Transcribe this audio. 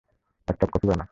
এক cup coffee বানা।